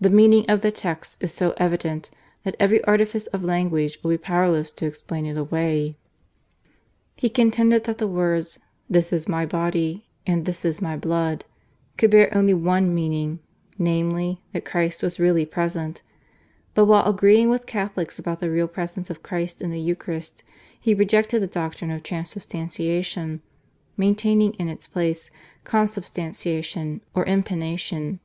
The meaning of the texts is so evident that every artifice of language will be powerless to explain it away." He contended that the words "This is My body and This is My blood" could bear only one meaning, namely, that Christ was really present, but while agreeing with Catholics about the Real Presence of Christ in the Eucharist, he rejected the doctrine of Transubstantiation, maintaining in its place Consubstantiation or Impanation.